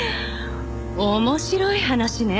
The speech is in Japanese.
面白い話ねえ。